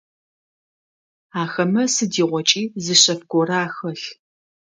Ахэмэ сыдигъокӏи зы шъэф горэ ахэлъ.